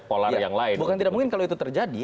polar yang lain bukan tidak mungkin kalau itu terjadi